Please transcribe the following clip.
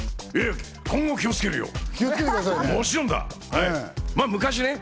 今後、気をつけるよ。